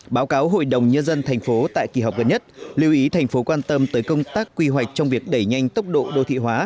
báo cáo hội đồng nhân dân tp tại kỳ họp gần nhất lưu ý tp quan tâm tới công tác quy hoạch trong việc đẩy nhanh tốc độ đô thị hóa